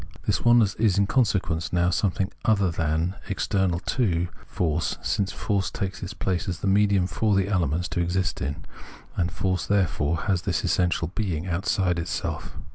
This oneness is in consequence now something other than, external to, force, since force takes its place as the medium for the elements to exist in ; and force therefore has this its essential being outside itself.